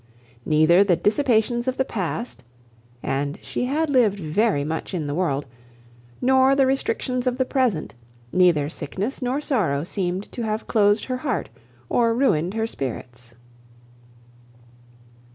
Neither the dissipations of the past—and she had lived very much in the world—nor the restrictions of the present, neither sickness nor sorrow seemed to have closed her heart or ruined her spirits.